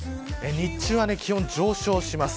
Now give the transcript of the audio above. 日中は気温が上昇します。